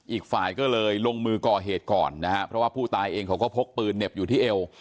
อีกฝ่ายก็เลยลงมือก่อเหตุก่อนนะฮะเพราะว่าผู้ตายเองเขาก็พกปืนเหน็บอยู่ที่เอว